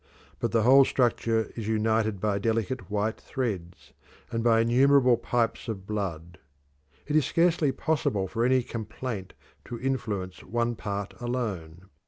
But the whole structure is united by delicate white threads, and by innumerable pipes of blood. It is scarcely possible for any complaint to influence one part alone.